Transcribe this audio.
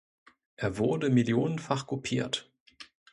Er wurde millionenfach kopiert.